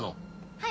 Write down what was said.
はい。